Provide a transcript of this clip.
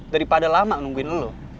daripada lama nungguin lo